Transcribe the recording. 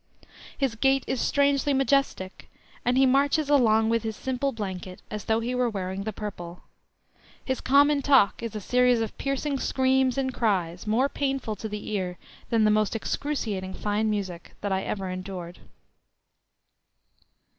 His gait is strangely majestic, and he marches along with his simple blanket as though he were wearing the purple. His common talk is a series of piercing screams and cries, more painful to the ear than the most excruciating fine music that I ever endured.